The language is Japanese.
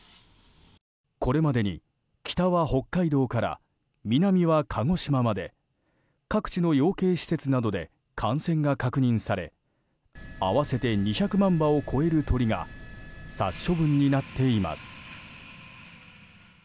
これまでに北は北海道から南は鹿児島まで各地の養鶏施設などで感染が確認され合わせて２００万羽を超える鳥が殺処分になっています。